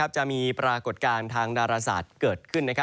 ปรากฏการณ์ทางดาราศาสตร์เกิดขึ้น